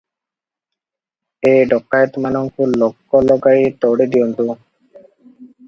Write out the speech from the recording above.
ଏ ଡକାଏତମାନଙ୍କୁ ଲୋକ ଲଗାଇ ତଡ଼ି ଦିଅନ୍ତୁ ।"